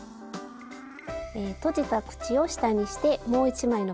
とじた口を下にしてもう１枚のパックに入れます。